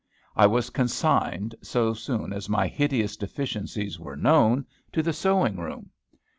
I was consigned, so soon as my hideous deficiencies were known, to the sewing room.